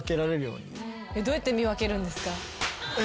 どうやって見分けるんですか？